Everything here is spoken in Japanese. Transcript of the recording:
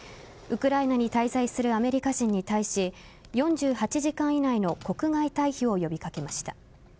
ウクライナに滞在するアメリカ人に対し４８時間以内の国外退避を呼び掛けました。